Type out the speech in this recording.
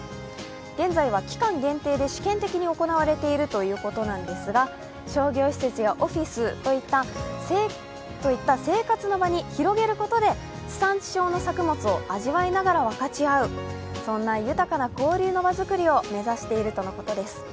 現在は期間限定で試験的に行われているということなんですが、商業施設やオフィスといった生活の場に広げることで地産地消の作物を味わいながら分かち合う、そんな豊かな交流の場づくりを目指しているということです。